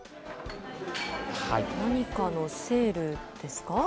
何かのセールですか。